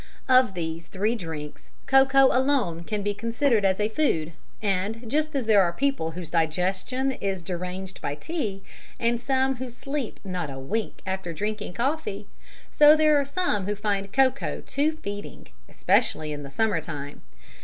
Of these three drinks cocoa alone can be considered as a food, and just as there are people whose digestion is deranged by tea, and some who sleep not a wink after drinking coffee, so there are some who find cocoa too feeding, especially in the summer time.